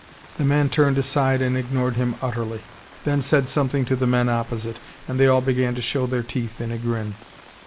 The man turned aside and ignored him utterly then said something to the men opposite, and they all began to show their teeth in a grin.